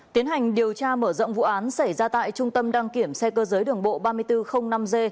tiến hành điều tra mở rộng vụ án xảy ra tại trung tâm đăng kiểm xe cơ giới đường bộ ba nghìn bốn trăm linh năm g